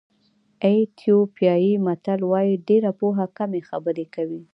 ایتیوپیایي متل وایي ډېره پوهه کمې خبرې کوي.